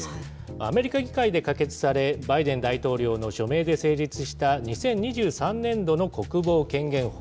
アメリカ議会で可決され、バイデン大統領の署名で成立した２０２３年度の国防権限法。